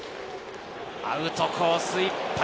アウトコースいっぱい。